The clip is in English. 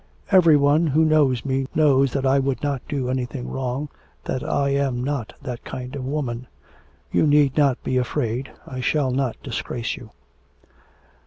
'Every one who knows me knows that I would not do anything wrong, that I am not that kind of woman. You need not be afraid, I shall not disgrace you.'